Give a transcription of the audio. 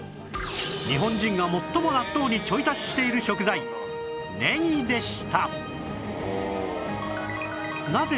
日本人が最も納豆にちょい足ししている食材ねぎでした